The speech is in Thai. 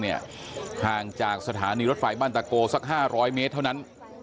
ห่างจากสถานีรถไฟบ้านตะโกสัก๕๐๐เมตรเท่านั้น